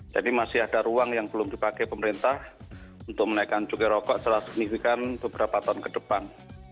jadi masih ada ruang yang belum dipakai pemerintah untuk menaikan cukai rokok secara signifikan beberapa tahun kedepan